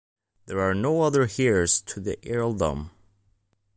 There are no other heirs to the earldom.